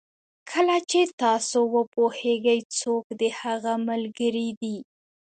کله چې تاسو پوهېږئ څوک د هغه ملګري دي.